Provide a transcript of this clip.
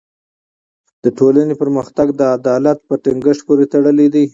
د ټولني پرمختګ د عدالت په ټینګښت پوری تړلی دی.